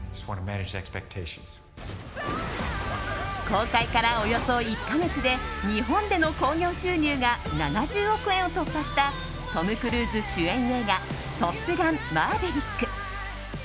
公開からおよそ１か月で日本での興行収入が７０億円を突破したトム・クルーズ主演映画「トップガンマーヴェリック」。